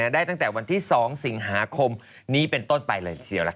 ได้ตั้งแต่วันที่๒สิงหาคมนี้เป็นต้นไปเลยทีเดียว